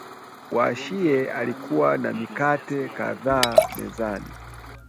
Washie alikuwa na mikate kadhaa mezani